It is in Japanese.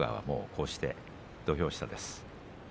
こうして土俵下です。